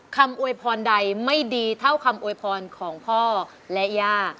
อวยพรใดไม่ดีเท่าคำอวยพรของพ่อและย่า